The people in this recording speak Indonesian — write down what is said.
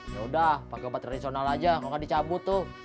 yaudah pakai obat radisonal aja kalau gak dicabut tuh